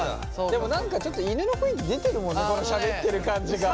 でも何かちょっと犬の雰囲気出てるもんねしゃべってる感じが。